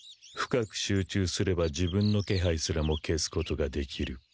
深く集中すれば自分の気配すらも消すことができる。